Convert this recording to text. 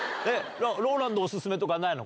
ＲＯＬＡＮＤ、お勧めとかないの？